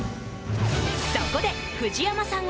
そこで藤山さん